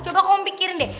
coba kamu pikirin deh